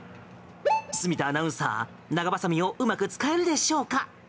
住田アナウンサー、長バサミをうまく使えるでしょうか？